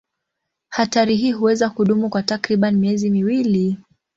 Hatari hii huweza kudumu kwa takriban miezi miwili.